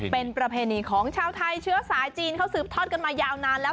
เป็นประเพณีของชาวไทยเชื้อสายจีนเขาสืบทอดกันมายาวนานแล้ว